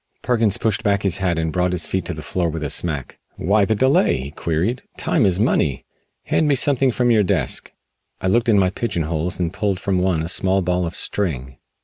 Perkins pushed back his hat and brought his feet to the floor with a smack. "Why the delay?" he queried, "time is money. Hand me something from your desk." I looked in my pigeonholes and pulled from one a small ball of string.